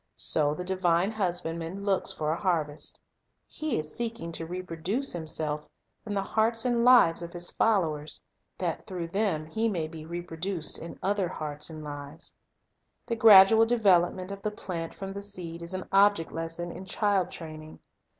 So the divine Husbandman looks for a harvest. He is seeking to reproduce Himself in the hearts and lives of His fol lowers, that through them He may be reproduced in other hearts and lives. A Lesson in Child Training The gradual development of the plant from the seed is an object lesson in child training.